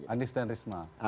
anies dan risma